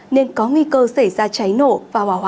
nên có nguy cơ xảy ra cháy nổ và hòa hoạn rất cao